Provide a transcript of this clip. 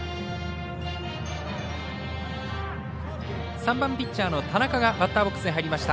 ３番ピッチャーの田中がバッターボックスに入りました。